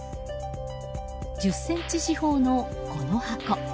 １０ｃｍ四方のこの箱。